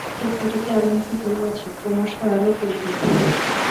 তাহা সে করিতে আরম্ভ করিয়াছে, ক্রমশ আরও করিবে।